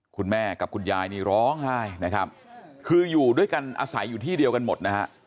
คุณแม่กับคุณยายนี่ร้องไห้นะครับคืออยู่ด้วยกันอาศัยอยู่ที่เดียวกันหมดนะฮะ